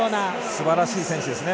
すばらしい選手ですね。